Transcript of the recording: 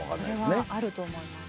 それはあると思います。